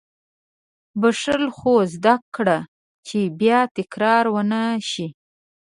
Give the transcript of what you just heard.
• بښل، خو زده کړه چې بیا تکرار ونه شي.